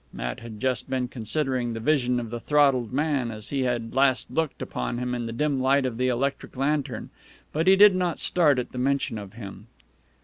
Matt had just been considering the vision of the throttled man as he had last looked upon him in the dim light of the electric lantern; but he did not start at the mention of him.